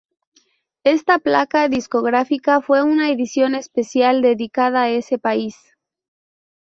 Esta placa discográfica fue una edición especial dedicada a ese país.